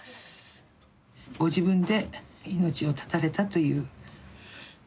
ご自分で命を絶たれたという。